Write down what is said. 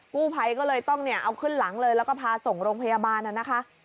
กู้ภัยก็เลยต้องเนี่ยเอาขึ้นหลังเลยแล้วก็พาส่งโรงพยาบาลน่ะนะคะ